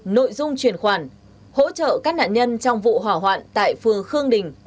nội dung truyền khoản hỗ trợ các nạn nhân trong vụ hỏa hoạn tại phường khương đình quận